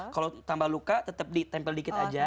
kalau tambah luka tetap ditempel sedikit saja